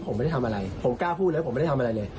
ผมไม่ได้ทำอะไรผมกล้าพูดเลยผมไม่ได้ทำอะไรเลย